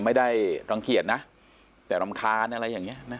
ไม่ได้รังเกียจนะแต่รำคาญอะ